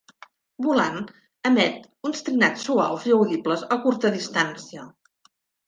Volant emet uns trinats suaus i audibles a curta distància.